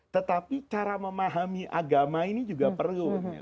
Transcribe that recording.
tetapi cara memahami agama ini juga perlu